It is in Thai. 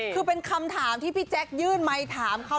คือเป็นคำถามที่พี่แจ๊คยื่นไมค์ถามเขา